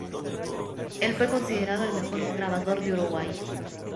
Él fue considerado el mejor grabador de Uruguay.